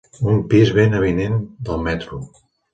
Un pis ben avinent del metro.